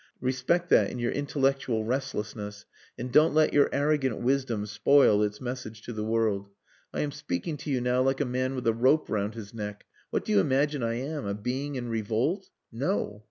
Respect that in your intellectual restlessness and don't let your arrogant wisdom spoil its message to the world. I am speaking to you now like a man with a rope round his neck. What do you imagine I am? A being in revolt? No.